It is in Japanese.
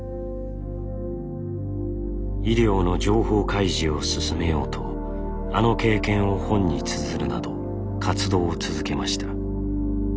医療の情報開示を進めようとあの経験を本につづるなど活動を続けました。